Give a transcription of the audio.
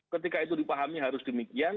ketika itu dipahami harus demikian